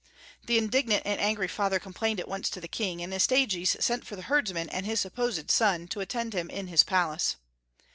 The indignant and angry father complained at once to the king, and Astyages sent for the herdsman and his supposed son to attend him in his palace.